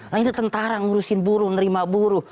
nah ini tentara ngurusin buru nerima buruh